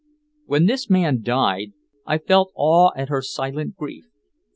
When this man died I felt awe at her silent grief.